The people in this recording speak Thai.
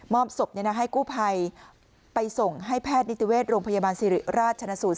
อบศพให้กู้ภัยไปส่งให้แพทย์นิติเวชโรงพยาบาลสิริราชชนะสูตร